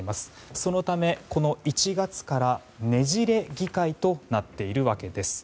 そのため、１月からねじれ議会となっているわけです。